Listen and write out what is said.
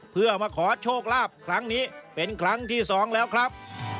เพื่อมาขอโชคลาภครั้งนี้เป็นครั้งที่สองแล้วครับ